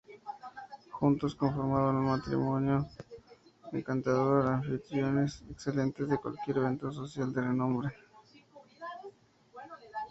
Juntos conformaban un matrimonio encantador, anfitriones excelentes de cualquier evento social de renombre.